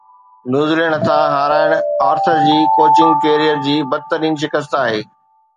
New Zealand هٿان هارائڻ Arthur جي ڪوچنگ ڪيريئر جي بدترين شڪست آهي